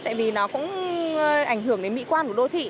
tại vì nó cũng ảnh hưởng đến mỹ quan của đô thị